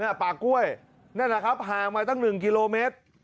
ป่ากล้วยนั่นแหละครับห่างมาตั้ง๑กิโลเมตร